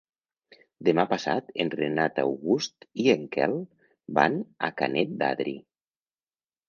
Demà passat en Renat August i en Quel van a Canet d'Adri.